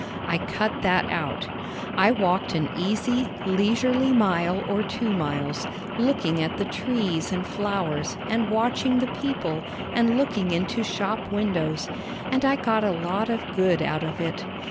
I cut that out. I walked an easy, leisurely mile or two miles, looking at the trees and flowers and watching the people and looking into shop windows, and I got a lot of good out of it.